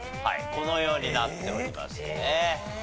このようになっておりますね。